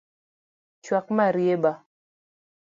Chuak marieba